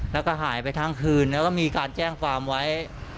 แล้วก็หายไปทั้งคืนแล้วก็มีการแจ้งความไว้